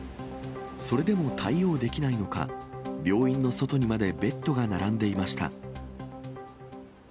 それでも対応できないのか、病院の外にまでベッドが並んでいました。